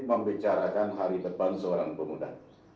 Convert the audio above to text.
membicarakan hari depan seorang pemuda